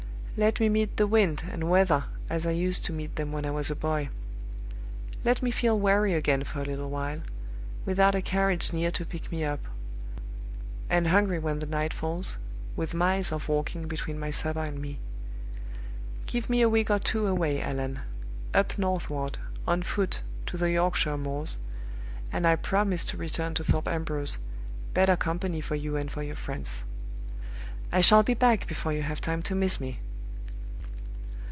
Let me meet the wind and weather as I used to meet them when I was a boy; let me feel weary again for a little while, without a carriage near to pick me up; and hungry when the night falls, with miles of walking between my supper and me. Give me a week or two away, Allan up northward, on foot, to the Yorkshire moors and I promise to return to Thorpe Ambrose, better company for you and for your friends. I shall be back before you have time to miss me.